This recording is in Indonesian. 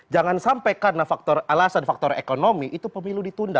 jangan sampai karena faktor alasan faktor ekonomi itu pemilu ditunda